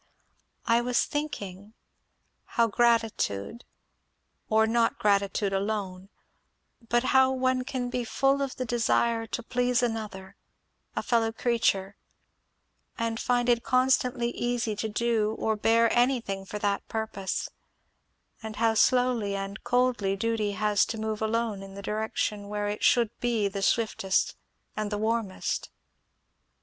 "I was thinking how gratitude or not gratitude alone but how one can be full of the desire to please another, a fellow creature, and find it constantly easy to do or bear anything for that purpose; and how slowly and coldly duty has to move alone in the direction where it should be the swiftest and warmest."